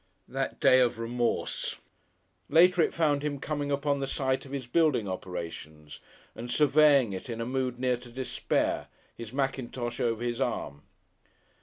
_... That day of remorse! Later it found him coming upon the site of his building operations and surveying it in a mood near to despair, his mackintosh over his arm.